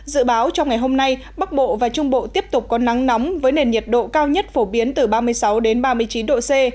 dự báo trong ngày hôm nay bắc bộ và trung bộ tiếp tục có nắng nóng với nền nhiệt độ cao nhất phổ biến từ ba mươi sáu đến ba mươi chín độ c